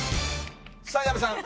さあ矢部さん。